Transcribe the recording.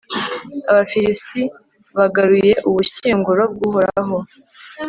abafilisiti bagaruye ubushyinguro bw'uhoraho